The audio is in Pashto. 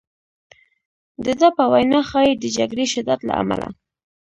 د ده په وینا ښایي د جګړې شدت له امله.